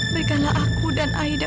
berikanlah aku dan aida